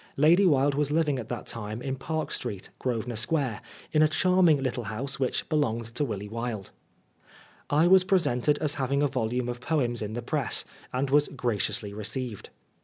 Lady Wilde was living at that time in Park Street, Grosvenor Square, in a charming little house which belonged to Willy Wilde. I was presented as having a volume of poems in the press, and was graciously received.